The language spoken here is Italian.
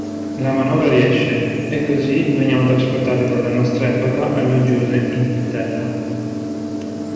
La manovra riesce, e così veniamo trasportati dalla nostra epoca all'uggiosa Inghilterra.